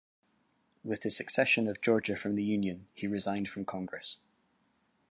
With the secession of Georgia from the Union, he resigned from Congress.